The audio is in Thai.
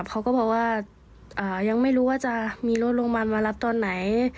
เขาก็บอกว่ายังไม่รู้ว่าจะมีรถโรงพยาบาลมารับตอนไหน